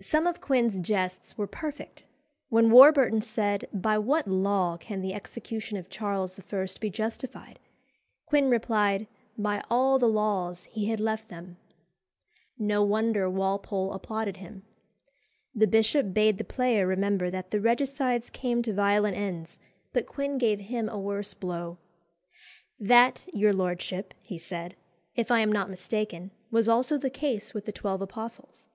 Some of Quin's jests were perfect. When Warburton said, "By what law can the execution of Charles I. be justified?" Quin replied, "By all the laws he had left them." No wonder Walpole applauded him. The bishop bade the player remember that the regicides came to violent ends, but Quin gave him a worse blow. "That, your lordship," he said, "if I am not mistaken, was also the case with the twelve apostles."